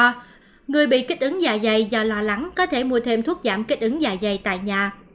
do người bị kích ứng dạ dày do lo lắng có thể mua thêm thuốc giảm kích ứng dạ dày tại nhà